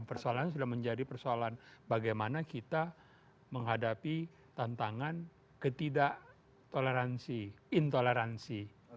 persoalannya sudah menjadi persoalan bagaimana kita menghadapi tantangan ketidaktoleransi intoleransi